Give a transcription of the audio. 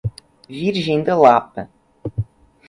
Virgem da Lapa